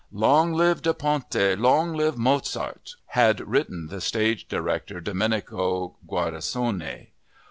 "Long live da Ponte, long live Mozart!" had written the stage director, Domenico Guardasoni.